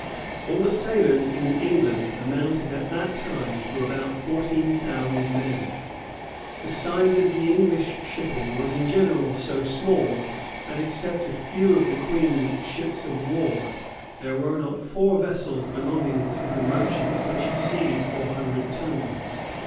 All the sailors in England amounted at that time to about fourteen thousand men.[*] The size of the English shipping was in general so small, that except a few of the queen's ships of war, there were not four vessels belonging to the merchants which exceeded four hundred tons.